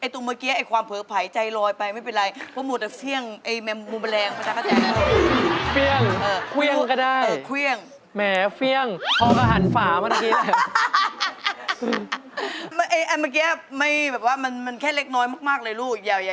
ตรงเมื่อกี้ความเผลอภัยใจลอยไปไม่เป็นไร